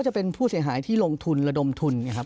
ก็จะเป็นผู้เสียหายที่ลงทุนระดมทุน